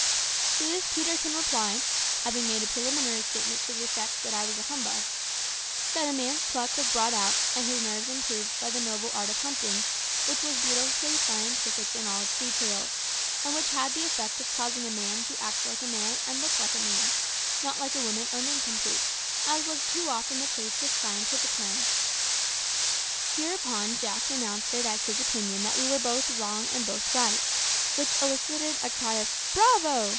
To this Peterkin replied having made a preliminary statement to the effect that I was a humbug that a man's pluck was brought out and his nerves improved by the noble art of hunting, which was beautifully scientific in its details, and which had the effect of causing a man to act like a man and look like a man not like a woman or a nincompoop, as was too often the case with scientific men. Hereupon Jack announced it as his opinion that we were both wrong and both right; which elicited a cry of "Bravo!"